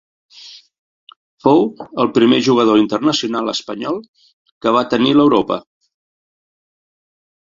Fou el primer jugador internacional espanyol que va tenir l'Europa.